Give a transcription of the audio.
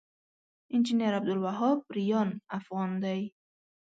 انجنير عبدالوهاب ريان افغان دی